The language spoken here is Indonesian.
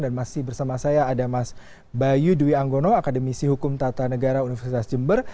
dan masih bersama saya ada mas bayu dwi anggono akademisi hukum tata negara universitas jember